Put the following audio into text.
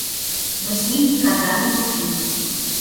Мы с ним никогда не дружили.